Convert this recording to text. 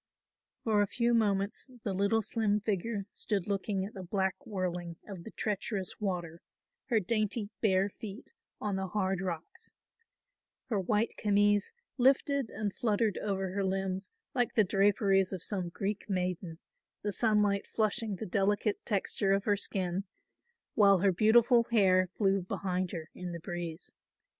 For a few moments the little slim figure stood looking at the black whirling of the treacherous water, her dainty bare feet on the hard rocks. Her white camise lifted and fluttered over her limbs like the draperies of some Greek maiden, the sunlight flushing the delicate texture of her skin, while her beautiful hair flew behind her in the breeze.